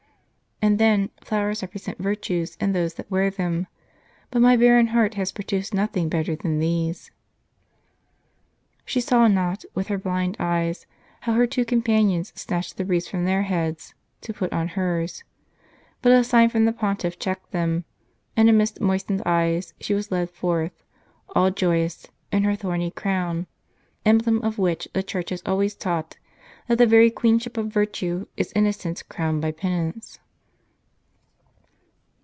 And then, flowers represent virtues in those that wear them ; but my barren heart has produced nothing better than these." She saw not, with her blind eyes, how her two companions snatched the wreaths from their heads, to put on hers ; but a sign from the Pontiff checked them ; and amidst moistened eyes, she was led forth, all joyous, in her thorny crown; emblem of what the Church has always taught, that the very queenship of virtue is innocence crowned by penance.